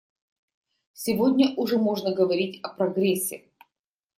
Сегодня уже можно говорить о прогрессе.